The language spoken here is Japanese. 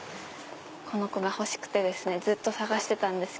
この子欲しくて探してたんです。